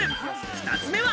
２つ目は。